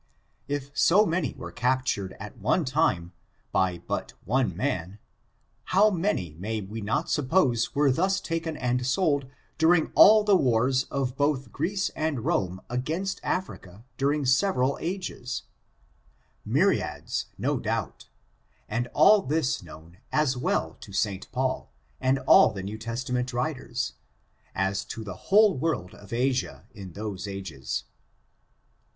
If so many were cap tured at one time, by but one man, how many may we not suppose were thus taken and sold during all ^^I^h^k^t^k^k^k^^ : I 324 ORIGIN, CHARACTER, AND • the wars of both Greece and Rome against Africa, during several ages? Myriads^ no doubt; and all this known as well to St. Paul, and all the New Tes tament writers, as to the whole world of Asia, in those ages.